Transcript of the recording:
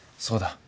そうだ。